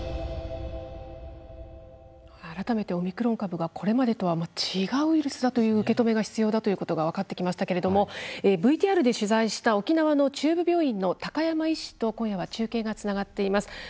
改めてオミクロン株がこれまでと違うウイルスだという受け止めが必要だということが分かってきましたけどもＶＴＲで取材した沖縄の中部病院の高山医師と今夜は中継がつながっています。